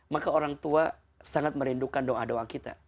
maka orang tua sangat merindukan doa doa kita